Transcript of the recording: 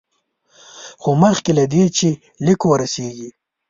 خو مخکې له دې چې لیک ورسیږي.